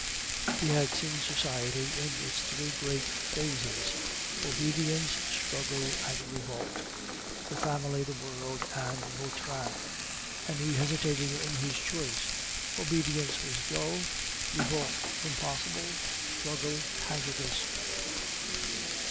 He had seen society in its three great phases Obedience, Struggle, and Revolt; the Family, the World, and Vautrin; and he hesitated in his choice. Obedience was dull, Revolt impossible, Struggle hazardous.